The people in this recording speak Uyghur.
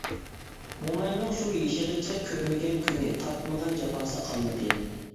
موماينىڭ شۇ يېشىغىچە كۆرمىگەن كۈنى، تارتمىغان جاپاسى قالمىدى.